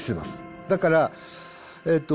だからえっと